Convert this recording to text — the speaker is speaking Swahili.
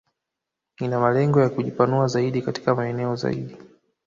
Ina malengo ya kujipanua zaidi katika maeneo zaidi